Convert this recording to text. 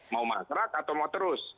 mau mangkrak atau mau terus